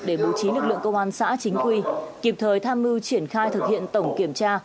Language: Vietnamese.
để bố trí lực lượng công an xã chính quy kịp thời tham mưu triển khai thực hiện tổng kiểm tra